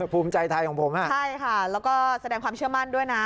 ภูมิใจไทยของผมใช่ค่ะแล้วก็แสดงความเชื่อมั่นด้วยนะ